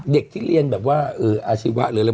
เด็กที่เรียนแบบว่าอาชีพหลายแล้ว